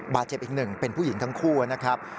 บาดเจ็บอีกหนึ่งเป็นผู้หญิงทั้งคู่นะครับ